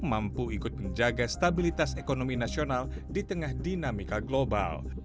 mampu ikut menjaga stabilitas ekonomi nasional di tengah dinamika global